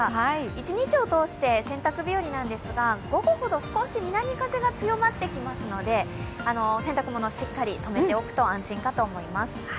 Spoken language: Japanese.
一日を通して洗濯日和なんですが、午後ほど少し南風が強まってきますので、洗濯物、しっかりとめておくと安心かと思います。